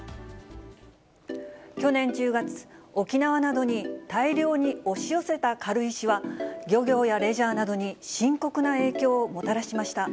去年１０月、沖縄などに大量に押し寄せた軽石は、漁業やレジャーなどに深刻な影響をもたらしました。